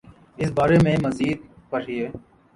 اسی بارے میں مزید پڑھیے